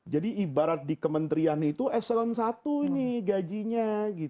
jadi ibarat di kementerian itu eselon satu gajinya